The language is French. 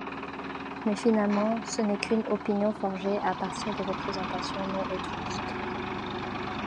Mais finalement ce n'est qu'une opinion forgée à partir de représentations non étrusques.